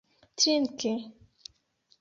trinki